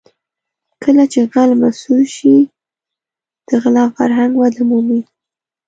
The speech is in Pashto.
کله چې غل مسوول شي د غلا فرهنګ وده مومي.